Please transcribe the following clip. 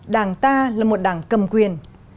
đảng ta là một đảng cầm quyền